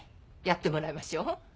やってもらいましょう。